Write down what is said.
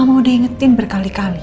mama udah ingetin berkali kali